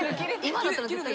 今だったら絶対。